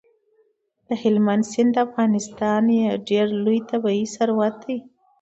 هلمند سیند د افغانستان یو ډېر لوی طبعي ثروت دی.